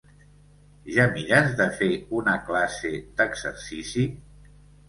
Ja mires de fer una classe d'exercici?